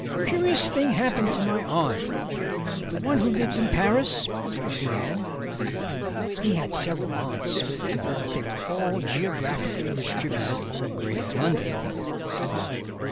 "Curious thing happened to my aunt, the one who lives in Paris," he began. He had several aunts, but they were all geographically distributed over Greater London.